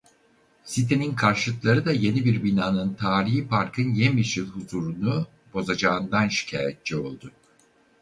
Sitenin karşıtları da yeni bir binanın tarihi parkın yemyeşil huzurunu bozacağından şikayetçi oldu.